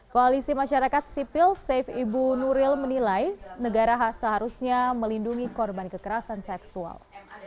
koalisi masyarakat sipil safe ibu nuril menilai negara seharusnya melindungi korban kekerasan seksual